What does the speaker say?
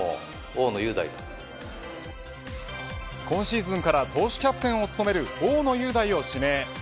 今シーズンから投手キャプテンを務める大野雄大を指名。